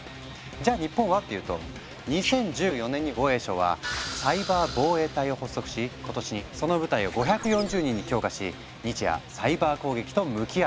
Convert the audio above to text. じゃあ日本はっていうと２０１４年に防衛省は「サイバー防衛隊」を発足し今年にその部隊を５４０人に強化し日夜サイバー攻撃と向き合っている。